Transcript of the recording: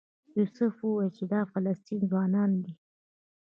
یوسف وویل چې دا فلسطینی ځوانان دي.